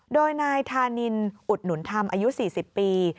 โดยนายธานินอุดหนุนธรรมอายุ๔๐ปี